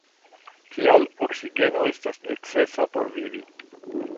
Tial, oksigeno estas necesa por vivi.